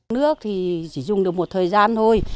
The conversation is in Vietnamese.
nước thì chỉ dùng được một thời gian thôi